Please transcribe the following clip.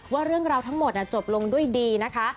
ว่าเรื่องราวทั้งหมดจบลงด้วยดีนะคะ